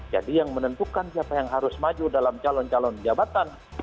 jadi yang menentukan siapa yang harus maju dalam calon calon jabatan